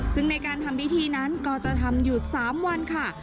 ซึ่งในการทำพิธีนั้นก็จะทำอยู่๓วันค่ะ